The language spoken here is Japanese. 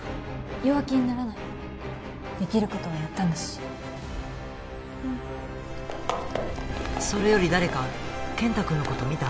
弱気にならないできることはやったんだしうんそれより誰か健太君のこと見た？